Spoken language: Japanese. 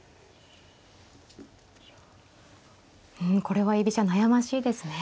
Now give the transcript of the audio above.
うんこれは居飛車悩ましいですね。